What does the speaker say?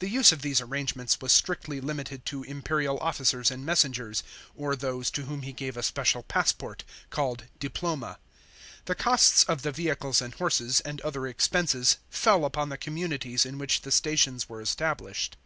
The use of these arrangements was strictly limited to imperial officers and messengers, or those to whom lie gave a special passport, called diploma. The costs of the vehicles and horses, and other expenses, fell upon the communities in which the stations were established.